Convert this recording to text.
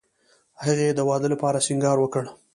هغې د واده لپاره سینګار وکړ